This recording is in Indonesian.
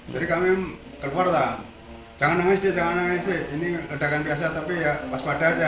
jadi kami keluar jangan nangis jangan nangis ini ledakan biasa tapi ya pas pada saja